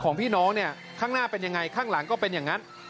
พี่น้องเนี่ยข้างหน้าเป็นยังไงข้างหลังก็เป็นอย่างนั้น